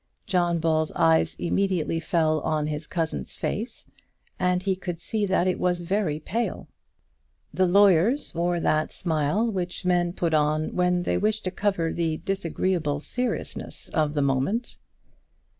John Ball's eyes immediately fell on his cousin's face, and he could see that it was very pale. The lawyer's wore that smile which men put on when they wish to cover the disagreeable seriousness of the moment.